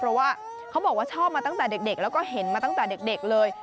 เพราะว่าเขาบอกว่าชอบมาตั้งแต่เด็กแล้วก็เห็นมาตั้งแต่เด็กเลย